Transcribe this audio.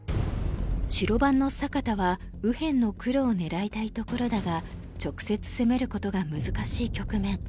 白番の坂田は右辺の黒を狙いたいところだが直接攻めることが難しい局面。